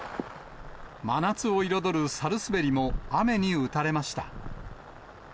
真夏を彩るサルスベリも、雨に打たれました。